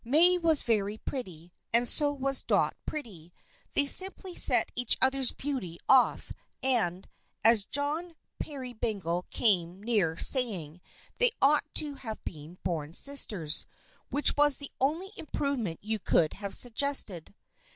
May was very pretty. And so was Dot pretty. They simply set each other's beauty off and, as John Peerybingle came near saying, they ought to have been born sisters which was the only improvement you could have suggested.